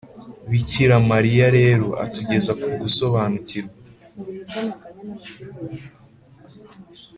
bikira mariya rero atugeza ku gusobanukirwa